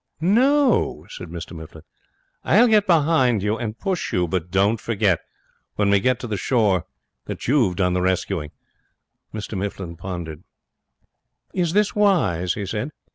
'No,' said Mr Mifflin. 'I'll get behind you and push you; but don't forget, when we get to the shore, that you've done the rescuing.' Mr Mifflin pondered. 'Is this wise?' he said.